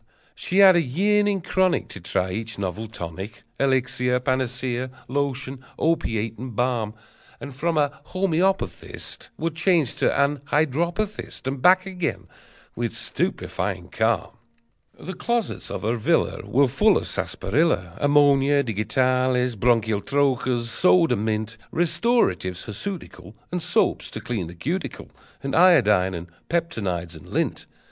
She had a yearning chronic To try each novel tonic, Elixir, panacea, lotion, opiate, and balm; And from a homoeopathist Would change to an hydropathist, And back again, with stupefying calm! The closets of her villa Were full of sarsaparilla, Ammonia, digitalis, bronchial troches, soda mint. Restoratives hirsutical, And soaps to clean the cuticle, And iodine, and peptonoids, and lint.